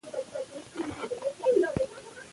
اداري نظام د خلکو د باور د ترلاسه کولو هڅه کوي.